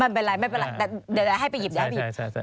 มันเป็นไรไม่เป็นไรแต่เดี๋ยวได้ให้ไปหยิบเดี๋ยวให้ไปหยิบ